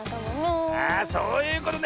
あそういうことね。